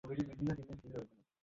তোমাদের দুজনকে নিয়ে আমি ক্লান্ত।